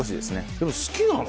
でも好きなの？